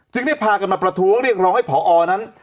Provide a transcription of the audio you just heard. ได้พากันมาประท้วงเรียกร้องให้ผอนั้น